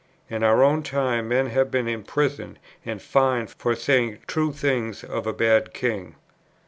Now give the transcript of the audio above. In our own time, men have been imprisoned and fined for saying true things of a bad king.